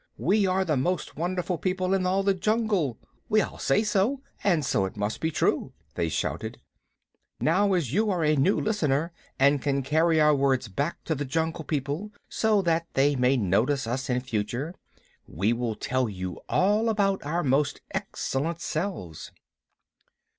We are the most wonderful people in all the jungle! We all say so, and so it must be true," they shouted. "Now as you are a new listener and can carry our words back to the Jungle People so that they may notice us in future, we will tell you all about our most excellent selves."